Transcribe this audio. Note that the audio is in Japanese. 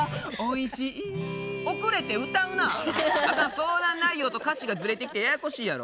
相談内容と歌詞がずれてきてややこしいやろ。